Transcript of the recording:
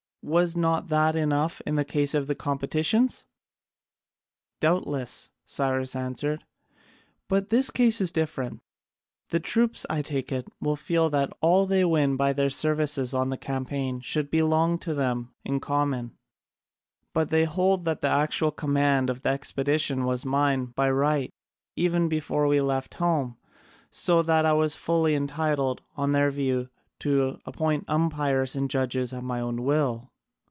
Was not that enough in the case of the competitions?" "Doubtless," Cyrus answered, "but this case is different. The troops, I take it, will feel that all they win by their services on the campaign should belong to them in common: but they hold that the actual command of the expedition was mine by right even before we left home, so that I was fully entitled, on their view, to appoint umpires and judges at my own will."